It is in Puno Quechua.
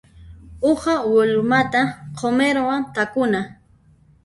Uha willmata q'umirwan takuna.